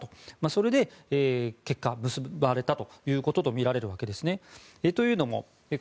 それで、結果結ばれたとみられるわけですね。